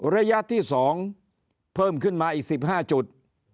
ระยะที่๒เพิ่มขึ้นมาอีก๑๕จุด